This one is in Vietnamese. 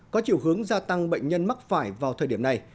có chiều hướng gia tăng bệnh nhân mắc phải vào thời điểm này